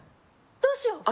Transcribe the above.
どうしよう